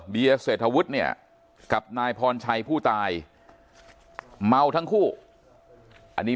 เดียเศรษฐวุฒิเนี่ยกับนายพรชัยผู้ตายเมาทั้งคู่อันนี้